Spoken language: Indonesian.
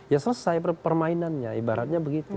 ya selesai permainannya ibaratnya begitu